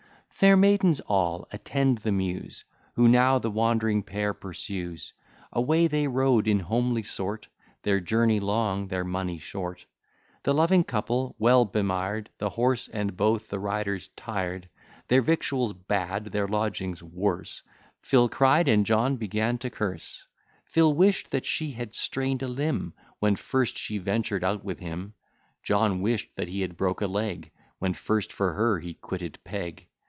Fair maidens all, attend the Muse, Who now the wand'ring pair pursues: Away they rode in homely sort, Their journey long, their money short; The loving couple well bemir'd; The horse and both the riders tir'd: Their victuals bad, their lodgings worse; Phyl cried! and John began to curse: Phyl wish'd that she had strain'd a limb, When first she ventured out with him; John wish'd that he had broke a leg, When first for her he quitted Peg.